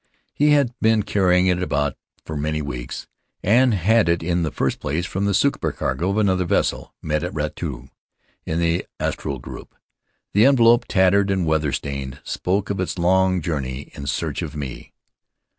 He had been carrying it about for many weeks, and had it in the first place from the supercargo of another vessel, met at Rurutu, in the Austral group. The envelope, tattered and weather stained, spoke of its long journey in search of me.